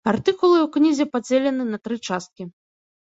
Артыкулы ў кнізе падзелены на тры часткі.